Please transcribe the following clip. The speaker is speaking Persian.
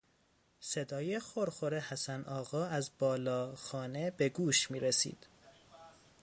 صدای خرخر حسن آقا از بالا خانه به گوش میرسید.